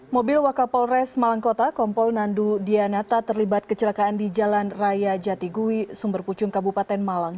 mobil wakapolres malangkota kompol nandu dianata terlibat kecelakaan di jalan raya jatigui sumberpucung kabupaten malang